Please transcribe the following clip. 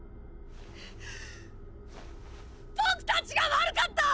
僕たちが悪かった！！